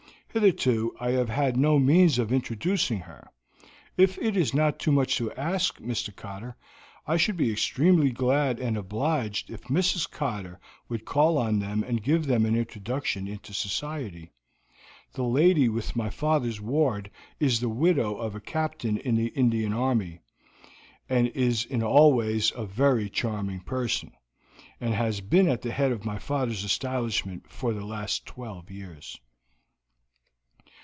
Hitherto I have had no means of introducing her. If it is not too much to ask, Mr. Cotter, I should be extremely glad and obliged if Mrs. Cotter would call on them and give them an introduction into society. The lady with my father's ward is the widow of a captain in the Indian Army, and is in all ways a very charming person, and has been at the head of my father's establishment for the last twelve years."